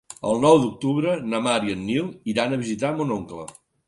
El nou d'octubre na Mar i en Nil iran a visitar mon oncle.